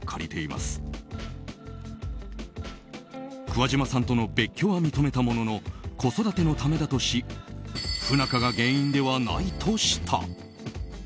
桑島さんとの別居は認めたものの子育てのためだとし不仲が原因ではないとした。